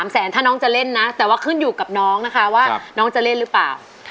แสนถ้าน้องจะเล่นนะแต่ว่าขึ้นอยู่กับน้องนะคะว่าน้องจะเล่นหรือเปล่า